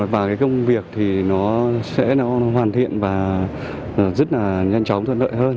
và cái công việc thì nó sẽ hoàn toàn